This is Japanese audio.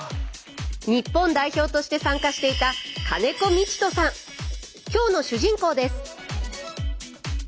日本代表として参加していた今日の主人公です。